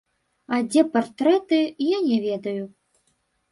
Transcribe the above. А дзе партрэты, я не ведаю.